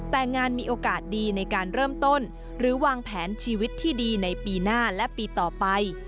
แต่งานมีโอกาสดีในการเริ่มต้นหรือวางแผนชีวิตที่ดีในปีหน้าและปีต่อไป